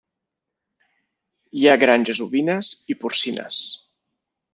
Hi ha granges ovines i porcines.